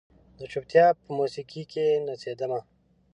د چوپتیا په موسیقۍ کې نڅیدمه